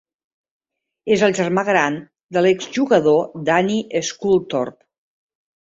És el germà gran de l'exjugador Danny Sculthorpe.